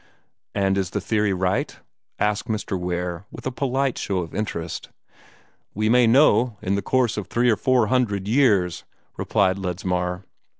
"And is his theory right?" asked Mr. Ware, with a polite show of interest. "We may know in the course of three or four hundred years," replied Ledsmar.